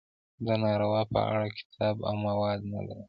د نارو په اړه کتاب او مواد نه لرم.